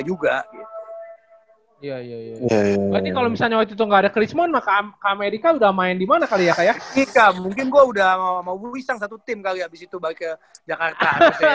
iya kan mungkin gue udah sama wu isang satu tim kali abis itu balik ke jakarta